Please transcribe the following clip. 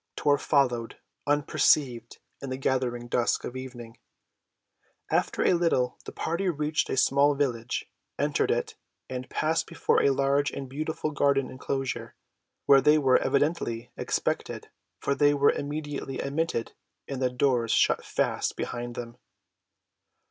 Tor followed unperceived in the gathering dusk of evening. After a little the party reached a small village, entered it, and paused before a large and beautiful garden enclosure, where they were evidently expected, for they were immediately admitted and the doors shut fast behind them.